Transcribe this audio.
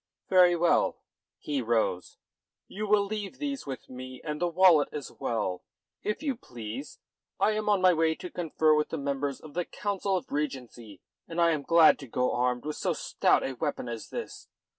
"Very well." He rose. "You will leave these with me, and the wallet as well, if you please. I am on my way to confer with the members of the Council of Regency, and I am glad to go armed with so stout a weapon as this.